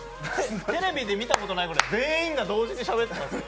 テレビで見たことないぐらい、全員が同時にしゃべってたんです。